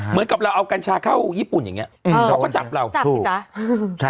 เหมือนกับเราเอากัญชาเข้าญี่ปุ่นอย่างนี้เขาก็จับเราจับสิจ๊ะ